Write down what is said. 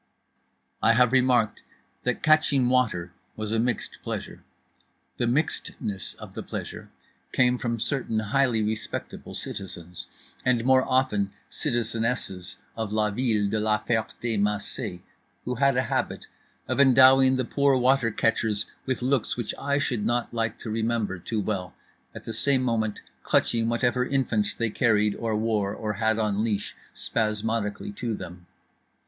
I have remarked that catching water was a mixed pleasure. The mixedness of the pleasure came from certain highly respectable citizens, and more often citizenesses, of la ville de La Ferté Macé; who had a habit of endowing the poor water catchers with looks which I should not like to remember too well, at the same moment clutching whatever infants they carried or wore or had on leash spasmodically to them.